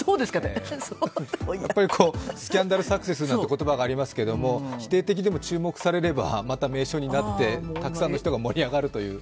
やっぱりスキャンダルサクセスなんていう言葉がありますけれども否定的でも注目されればまた名所になって、たくさんの人が盛り上がるという。